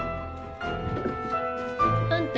あんた。